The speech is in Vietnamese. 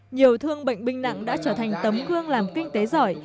nhiều thương bệnh binh nặng đã trở thành tấm gương làm kinh tế giỏi